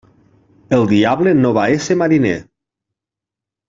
El diable no va esser mariner.